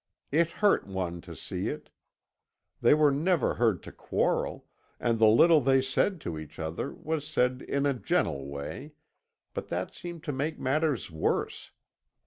It hurt one to see it. They were never heard to quarrel, and the little they said to each other was said in a gentle way; but that seemed to make matters worse.